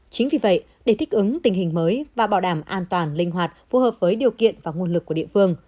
chính vì vậy để thích ứng tình hình mới và bảo đảm an toàn linh hoạt phù hợp với điều kiện và nguồn lực của địa phương